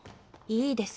いいです。